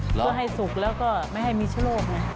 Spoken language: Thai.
เพื่อให้สุกแล้วก็ไม่ให้มีชะโลกไง